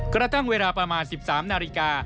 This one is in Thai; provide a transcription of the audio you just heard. กระทั่งเวลาประมาณ๑๓นาฬิกา